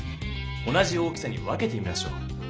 同じ大きさに分けてみましょう。